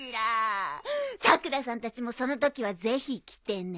さくらさんたちもそのときはぜひ来てね。